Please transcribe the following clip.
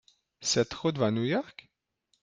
Cette route va à New York ?